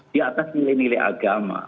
di atas nilai nilai agama